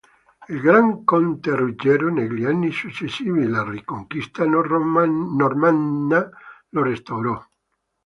Il Gran Conte Ruggero negli anni successivi la riconquista normanna lo restaurò.